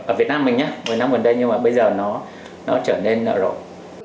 ở việt nam mình nhé một mươi năm gần đây nhưng mà bây giờ nó trở nên rồi